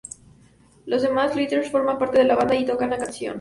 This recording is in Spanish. Los demás Luthiers forman parte de la banda y tocan la canción.